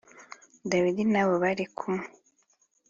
Dawidi n abo bari kumwe